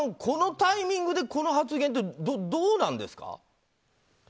このタイミングでこの発言ってどうなんですか？